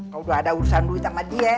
kalau udah ada urusan duit sama dia